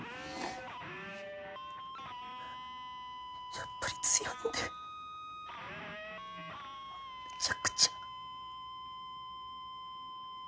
やっぱり強いんでめちゃくちゃ。